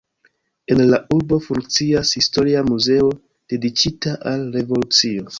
En la urbo funkcias historia muzeo dediĉita al revolucio.